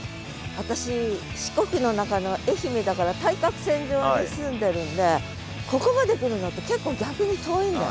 私四国の中の愛媛だから対角線上に住んでるんでここまで来るのって結構逆に遠いんだよね。